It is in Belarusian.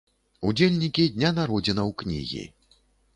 Удзельнікі дня народзінаў кнігі.